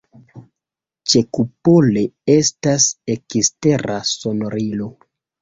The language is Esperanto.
Ĉekupole estas ekstera sonorilo.